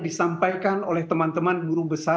disampaikan oleh teman teman guru besar